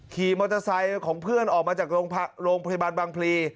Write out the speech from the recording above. ขี่มอเตอร์ไซค์ของเพื่อนออกมาจากโรงพยาบาลบางพลี